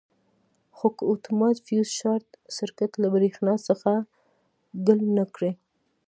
خو که اتومات فیوز شارټ سرکټ له برېښنا څخه ګل نه کړي.